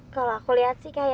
kalo aku liat sih kayaknya